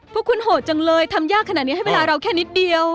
พวกคุณโหดจังเลยทำยากขนาดนี้ให้เวลาเราแค่นิดเดียว